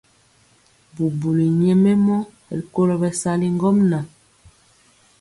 Bubuli nyɛmemɔ rikolo bɛsali ŋgomnaŋ.